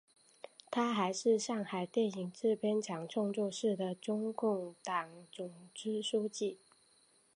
她还是上海电影制片厂创作室的中共党总支书记。